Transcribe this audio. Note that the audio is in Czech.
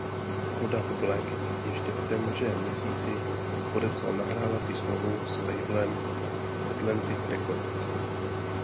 Kodak Black ještě v témže měsíci podepsal nahrávací smlouvu s labelem Atlantic Records.